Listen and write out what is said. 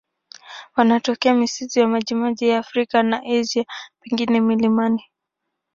Wanatokea misitu ya majimaji ya Afrika na Asia, pengine milimani.